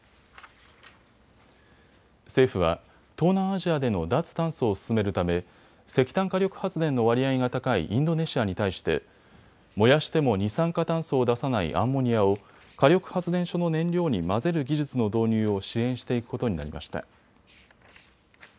政府は東南アジアでの脱炭素を進めるため石炭火力発電の割合が高いインドネシアに対して燃やしても二酸化炭素を出さないアンモニアを火力発電所の燃料に混ぜる技術の導入を支援していくことになりました。